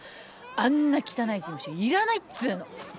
あんな汚い事務所いらないっつうの！